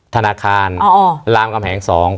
ธนาคารรามกำแหง๒